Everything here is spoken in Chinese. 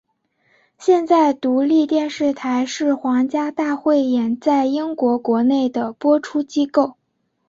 现在独立电视台是皇家大汇演在英国国内的播出机构。